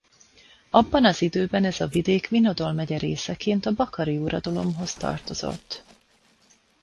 Abban az időben ez a vidék Vinodol megye részeként a bakari uradalomhoz tartozott.